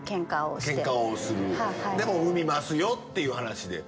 「でも産みますよ」っていう話で。